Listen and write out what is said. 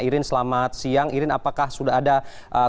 irin selamat siang irin apakah sudah ada keterangan